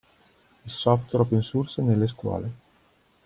Il software Open Source nelle scuole.